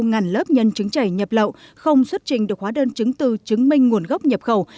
ngàn lớp nhân trứng chảy nhập lậu không xuất trình được hóa đơn chứng tư chứng minh nguồn gốc nhập khẩu